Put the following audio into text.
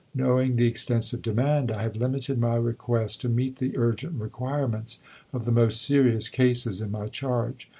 Knowing the extensive demand, I have limited my request to meet the urgent requirements of the most serious cases in my charge.